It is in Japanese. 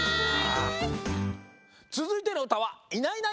つづいてのうたは「いないいないばあっ！」